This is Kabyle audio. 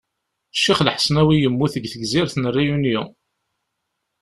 Ccix Lḥesnawi yemmut deg tegzirt n Réunion.